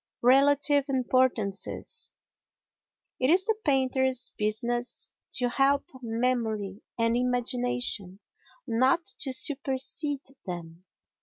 Relative Importances It is the painter's business to help memory and imagination, not to supersede them.